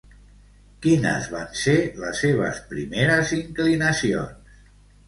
Quines van ser les seves primeres inclinacions?